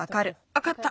わかった。